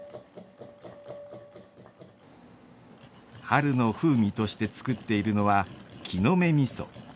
春の風味として作っているのは「木の芽みそ」。